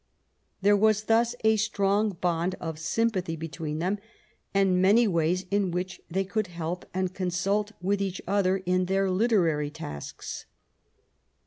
There was thus a strong bond of sympathy between them, and many ways in which they could help and consult with each other in their literary tasks.